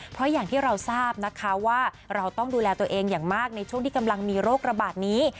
เพราะอย่างที่เราทราบนะคะว่าเราต้องดูแลตัวเองอย่างมากในช่วงที่กำลังมีโรคระบาดนี้